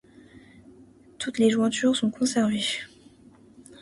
Toutes les jointures sont conservées.